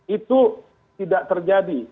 itu tidak terjadi